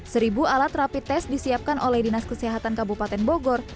seribu alat rapid test disiapkan oleh dinas kesehatan kabupaten bogor